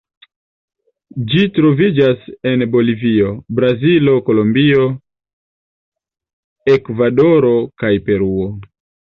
Ĝi troviĝas en Bolivio, Brazilo, Kolombio, Ekvadoro kaj Peruo.